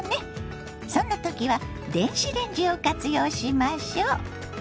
そんな時は電子レンジを活用しましょ。